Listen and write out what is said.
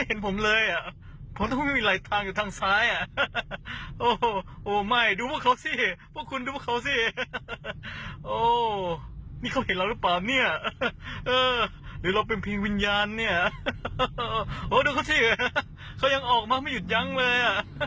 โอ้ดูเขาที่เห็นเขายังออกมาไม่หยุดยังเลย